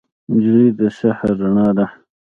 نجلۍ د سحر رڼا ده.